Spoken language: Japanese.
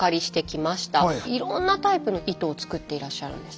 いろんなタイプの糸を作っていらっしゃるんです。